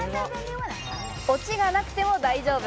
オチがなくても大丈夫。